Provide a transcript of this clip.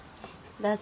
どうぞ。